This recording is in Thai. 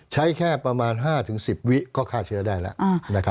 ใช้แค่ประมาณ๕๑๐วิก็ฆ่าเชื้อได้แล้ว